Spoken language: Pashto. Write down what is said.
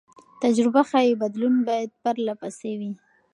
تجربه ښيي بدلون باید پرله پسې وي.